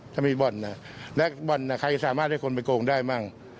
ถ้ามีบ่อนและบ่อนใครสามารถให้คนไปโกงได้มั่ง